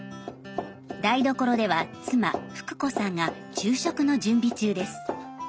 台所では妻富久子さんが昼食の準備中です。